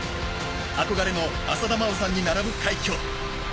憧れの浅田真央さんに並ぶ快挙。